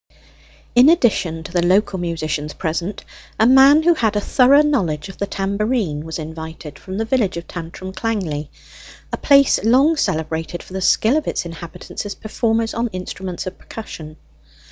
In addition to the local musicians present, a man who had a thorough knowledge of the tambourine was invited from the village of Tantrum Clangley, a place long celebrated for the skill of its inhabitants as performers on instruments of percussion.